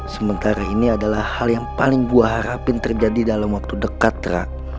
sementara ini adalah hal yang paling gue harapin terjadi dalam waktu dekat trak